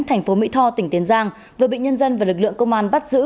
thành phố mỹ tho tỉnh tiền giang vừa bị nhân dân và lực lượng công an bắt giữ